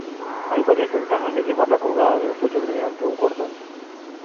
Hay varias ventajas de llevarla colgada del cuello mediante un cordón.